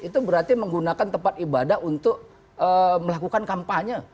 itu berarti menggunakan tempat ibadah untuk melakukan kampanye